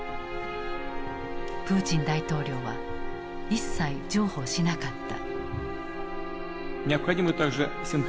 プーチン大統領は一切譲歩しなかった。